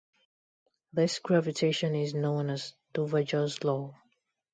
This gravitation is known as Duverger's law.